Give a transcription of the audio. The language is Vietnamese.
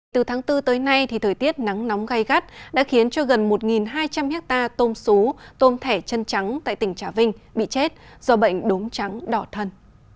từ tháng bốn tới nay thì thời tiết nắng nóng gai gắt đã khiến cho gần một hai trăm linh hectare tôm xú tôm thẻ chân trắng tại tỉnh trà vinh bị chết do bệnh đốm trắng đỏ thân